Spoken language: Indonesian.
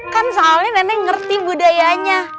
kan soalnya nenek ngerti budayanya